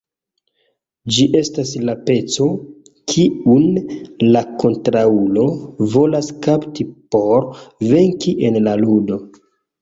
Ĝi estas la peco, kiun la kontraŭulo volas kapti por venki en la ludo.